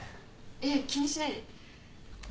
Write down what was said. いや気にしないで。